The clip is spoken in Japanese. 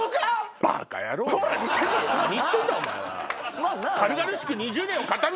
何言ってんだお前は。